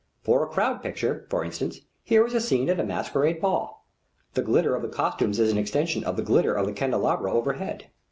For a Crowd Picture, for instance, here is a scene at a masquerade ball. The glitter of the costumes is an extension of the glitter of the candelabra overhead.